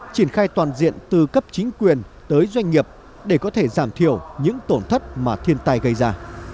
chính quyền tới doanh nghiệp để có thể giảm thiểu những tổn thất mà thiên tai gây ra